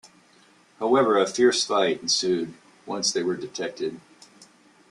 However, a fierce fight ensued once they were detected.